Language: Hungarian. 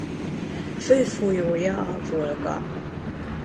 Fő folyója a Volga.